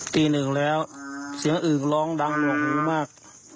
ตีหนึ่งแล้วเสียงอึกร้องดังหน่วงหิวมาก